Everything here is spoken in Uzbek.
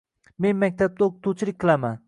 Men maktabda o‘qituvchilik qilaman.